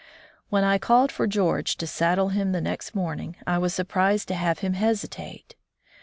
When I called for George to saddle him the next morning, I was surprised to have him hesitate.